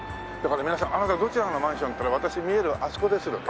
だから皆さん「あなたどちらのマンション？」っていったら「私見えるあそこです」